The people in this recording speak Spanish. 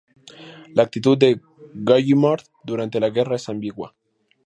La actitud de Gallimard durante la guerra es ambigua.